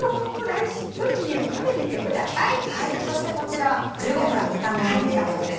そしてこちら１５分煮たものです。